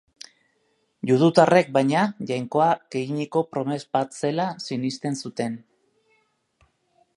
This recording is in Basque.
Judutarrek, baina, Jainkoak eginiko promes bat zela sinesten zuten.